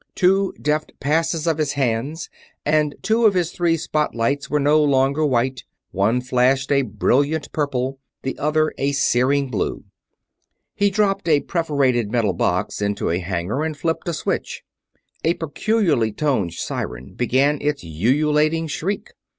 Two deft passes of his hands and two of his three spotlights were no longer white one flashed a brilliant purple, the other a searing blue. He dropped a perforated metal box into a hanger and flipped a switch a peculiarly toned siren began its ululating shriek.